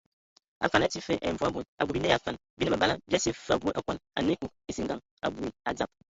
Afan atii fəg ai mvɔi bod, abui, bile ya afan bi nə məbala bia sye fəg abui akɔn anə ekug, esingan aboe adzab.